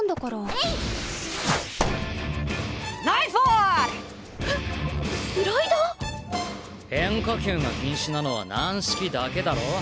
えっスライダー⁉変化球が禁止なのは軟式だけだろ。